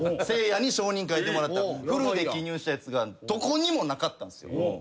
せいやに証人書いてもらったフルで記入したやつがどこにもなかったんすよ。